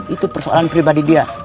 itu persoalan pribadi dia